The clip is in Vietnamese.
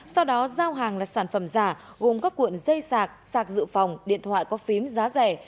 sau đó giao hàng là sản phẩm giả gồm các cuộn dây sạc sạc dự phòng điện thoại có phím giá rẻ